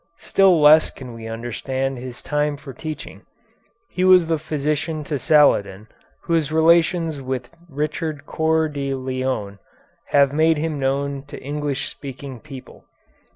Still less can we understand his time for teaching. He was the physician to Saladin, whose relations with Richard Coeur de Lion have made him known to English speaking people.